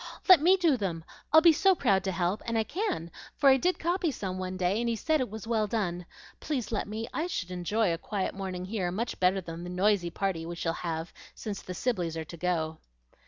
"Let me do them! I'd be so proud to help; and I can, for I did copy some one day, and he said it was well done. Please let me; I should enjoy a quiet morning here much better than the noisy party we shall have, since the Sibleys are to go."